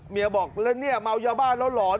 เมียบอกแล้วเนี่ยเมาเยอะบ้าแล้วหลอน